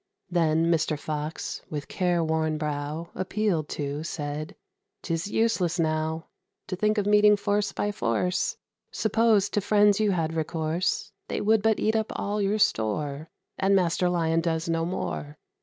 Then Mr. Fox, with careworn brow, Appealed to, said, "'Tis useless, now, To think of meeting force by force: Suppose to friends you had recourse, They would but eat up all your store, And Master Lion does no more.